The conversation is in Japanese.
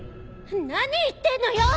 何言ってんのよ！